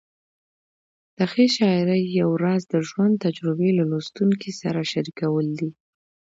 د ښې شاعرۍ یو راز د ژوند تجربې له لوستونکي سره شریکول دي.